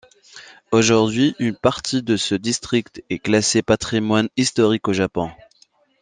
Aujourd'hui, une partie de ce district est classé patrimoine historique au Japon.